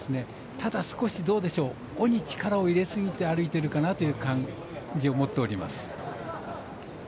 ただ、少し、尾に力を入れすぎて歩いているかなという感じを持っております。